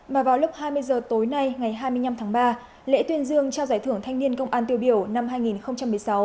và vào lúc hai mươi h tối nay ngày hai mươi năm tháng ba lễ tuyên dương trao giải thưởng thanh niên công an tiêu biểu năm hai nghìn một mươi sáu